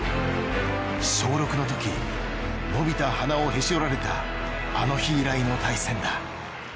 小６のとき伸びた鼻をへし折られたあの日以来の対戦だ。